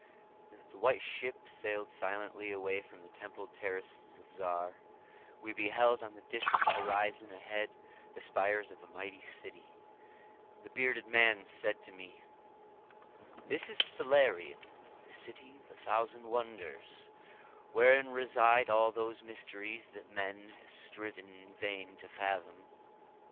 As the White Ship sailed silently away from the templed terraces of Zar, we beheld on the distant horizon ahead the spires of a mighty city; and the bearded man said to me, "This is Thalarion, the City of a Thousand Wonders, wherein reside all those mysteries that man has striven in vain to fathom."